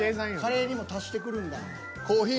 カレーにも足してくるんだ。